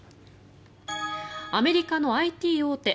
アメリカのＩＴ大手